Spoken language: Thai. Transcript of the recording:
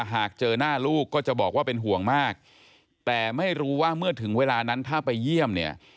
หากเจอหน้าลูกก็จะบอกว่าเป็นห่วงมากแต่ไม่รู้ว่าเมื่อถึงเวลานั้นถ้าไปเยี่ยมเนี่ย